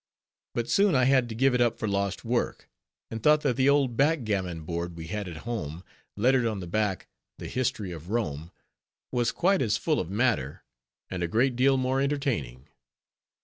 But soon I had to give it up for lost work; and thought that the old backgammon board, we had at home, lettered on the back, "The History of Rome" was quite as full of matter, and a great deal more entertaining.